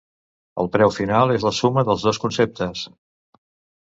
El preu final és la suma dels dos conceptes.